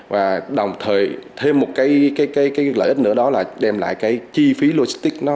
và đồng thời thêm một lợi ích nữa là đem lại chi phí logistics